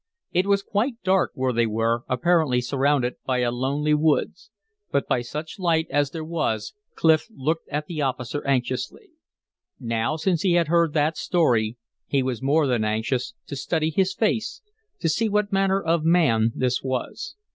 It was quite dark where they were, apparently surrounded by a lonely woods. But by such light as there was Clif looked at the officer anxiously. Now since he had heard that story he was more than anxious to study his face, to see what manner of man this was.